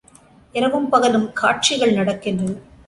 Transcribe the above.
இரவும் பகலும் காட்சிகள் நடக்கின்றன!